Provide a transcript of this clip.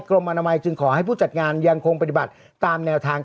กรมอนามัยจึงขอให้ผู้จัดงานยังคงปฏิบัติตามแนวทาง